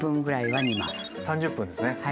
３０分ですね。